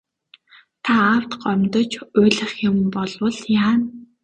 Та аавд гомдож уйлах юм болбол яана.